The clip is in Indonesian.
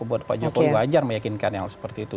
buat pak jokowi wajar meyakinkan hal seperti itu